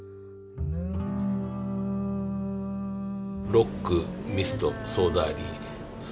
ロックミストソーダ割り。